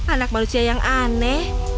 anak manusia yang aneh